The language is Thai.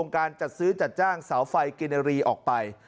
การจัดซื้อจัดจ้างเสาไฟกินรีออกไป